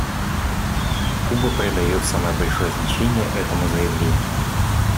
Куба придает самое большое значение этому заявлению.